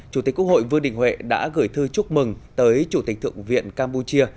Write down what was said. chủ tịch quốc hội vương đình huệ đã gửi thư chúc mừng tới chủ tịch thượng viện campuchia